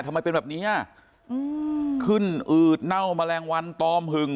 ทำไมเป็นแบบเนี้ยอืมขึ้นอืดเน่าแมลงวันตอมหึง